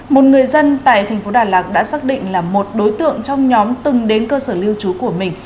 một người dân tại thành phố đà lạt đã xác định là một đối tượng trong nhóm từng đến cơ sở lưu trú của mình